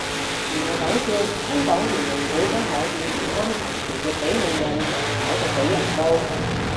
唔係講笑，香港連聾會都可以唔安排傳譯俾聾人，搞到被人告